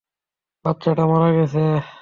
বাচ্চাটা মারা গেছে?